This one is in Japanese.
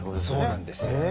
そうなんです。